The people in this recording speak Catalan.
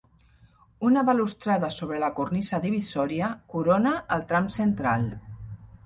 Una balustrada sobre la cornisa divisòria corona el tram central.